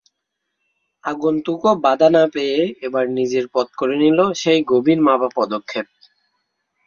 আগন্তুকও বাধা না পেয়ে এবার নিজের পথ করে নিল সেই গভীর মাপা পদক্ষেপে।